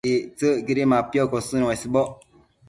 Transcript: Ictsëcquidi mapiocosën uesboc